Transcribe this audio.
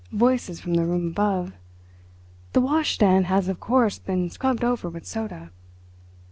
Voices from the room above: "The washstand has, of course, been scrubbed over with soda."